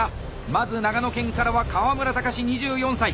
まず長野県からは川村岳２４歳。